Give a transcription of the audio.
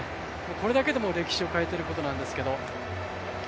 これだけでも歴史を変えていることなんですけれども。